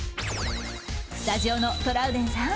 スタジオのトラウデンさん！